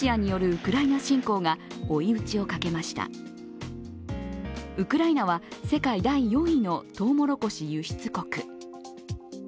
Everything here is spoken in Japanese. ウクライナは、世界第４位のとうもろこし輸出国。